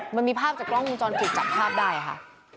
มันมีภาพจากกล้องลูงจอนปลูกจับภาพได้อ่ะฮะ